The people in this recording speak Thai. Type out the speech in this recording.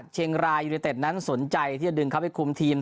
เชียงรายยูนิเต็ดนั้นสนใจที่จะดึงเข้าไปคุมทีม